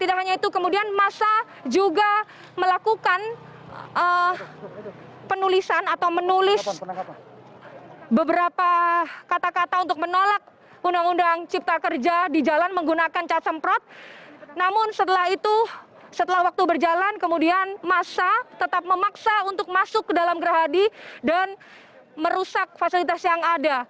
tidak hanya itu kemudian massa juga melakukan penulisan atau menulis beberapa kata kata untuk menolak undang undang cipta kerja di jalan menggunakan cat semprot namun setelah itu setelah waktu berjalan kemudian massa tetap memaksa untuk masuk ke dalam gerahadi dan merusak fasilitas yang ada